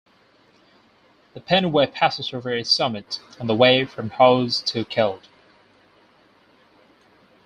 The Pennine Way passes over its summit, on the way from Hawes to Keld.